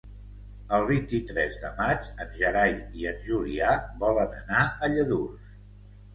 El vint-i-tres de maig en Gerai i en Julià volen anar a Lladurs.